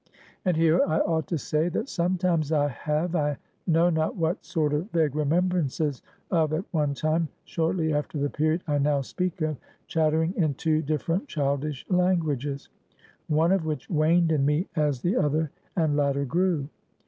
And here I ought to say, that sometimes I have, I know not what sort of vague remembrances of at one time shortly after the period I now speak of chattering in two different childish languages; one of which waned in me as the other and latter grew.